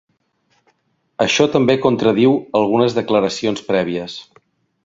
Això també contradiu algunes declaracions prèvies.